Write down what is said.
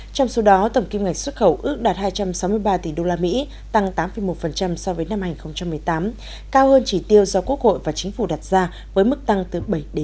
trong số đó tầm kim ngạch xuất khẩu ước đạt hai trăm sáu mươi ba tỷ usd tăng tám một so với năm hai nghìn một mươi tám cao hơn chỉ tiêu do quốc hội và chính phủ đặt ra với mức tăng từ bảy một mươi